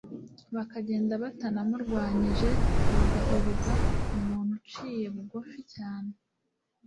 bakagenda batanamurwanyije bagahuruga umuntu uciye bugufi cyane